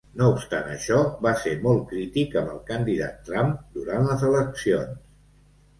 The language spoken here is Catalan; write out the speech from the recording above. No obstant això, va ser molt crític amb el candidat Trump durant les eleccions.